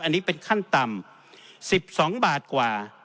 อันนี้เป็นขั้นต่ำ๑๒บาทกว่า